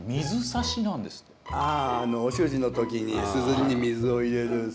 ああお習字の時にすずりに水を入れる水滴。